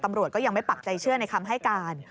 ตำรวจก็ยังไม่ปักใจเชื่อในคำให้การ